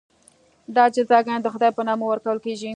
دا جزاګانې د خدای په نامه ورکول کېږي.